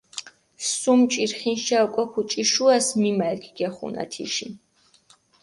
სუმ ჭირხინიშა ოკო ქუჭიშუას მიმალქჷ გეხუნა თიში.